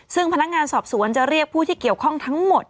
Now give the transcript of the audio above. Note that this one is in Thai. ซึ่งพนักงานสอบสวนจะเรียกผู้ที่เกี่ยวข้องทั้งหมด